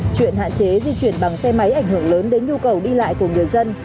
chuyện hạn chế di chuyển bằng xe máy ảnh hưởng lớn đến nhu cầu đi lại của người dân